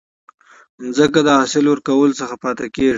ځمکه د حاصل ورکولو څخه پاتي کیږي.